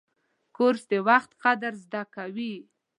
کورس د وخت قدر زده کوي.